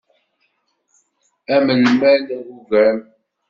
Am lmal agugam.